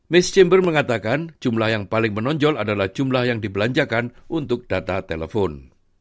miss chamber mengatakan jumlah yang paling menonjol adalah jumlah yang dibelanjakan untuk data telepon